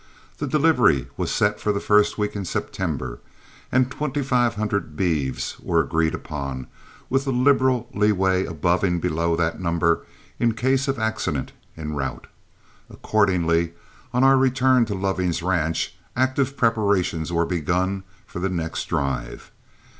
The delivery was set for the first week in September, and twenty five hundred beeves were agreed upon, with a liberal leeway above and below that number in case of accident en route. Accordingly, on our return to Loving's ranch active preparations were begun for the next drive.